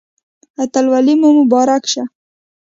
اتلولي مو مبارک شه